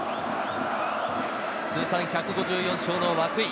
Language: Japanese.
通算１５４勝の涌井。